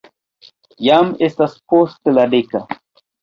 Jam estas post la deka.